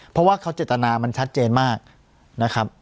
เพราะว่าเขาเจตนามันชัดเจนมากนะครับ